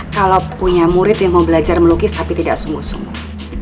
kalau punya murid yang mau belajar melukis tapi tidak sungguh sungguh